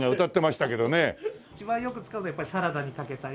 一番よく使うのはやっぱりサラダにかけたり。